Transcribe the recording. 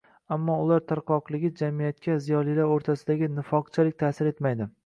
Ammo ular tarqoqligi jamiyatga ziyolilar o‘rtasidagi nifoqchalik ta’sir etmaydi.